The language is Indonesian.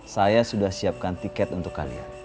saya sudah siapkan tiket untuk kalian